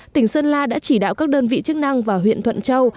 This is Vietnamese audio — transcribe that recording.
tỉnh sơn la đã chỉ đạo các đơn vị chức năng và huyện thuận châu